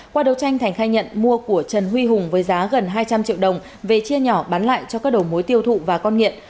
qua đấu tranh thành khai nhận mua của trần huy hùng với giá gần hai trăm linh triệu đồng về chia nhỏ bán lại cho các đầu mối tiêu thụ và con nghiện